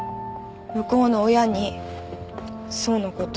向こうの親に想のこと。